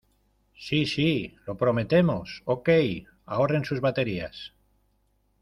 ¡ Sí! ¡ sí !¡ lo prometemos !¡ ok ! ahorren sus baterías.